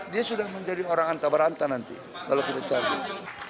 dia sudah menjadi orang anta beranta nanti kalau kita cabut